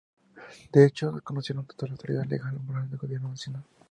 De hecho, desconocieron toda autoridad legal y moral al gobierno nacional.